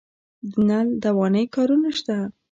د نل دوانۍ کارونه شته